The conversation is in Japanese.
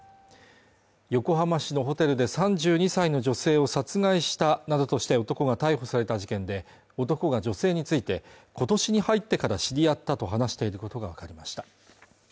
横浜市のホテルで３２歳の女性を殺害したなどとして男が逮捕された事件で男が女性について今年に入ってから知り合ったと話していることが分かりました